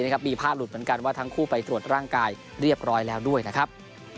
มีผ้าหลุดเหมือนกันว่าทั้งคู่ไปตรวจร่างกายเรียบร้อยแล้วด้วยนะครับ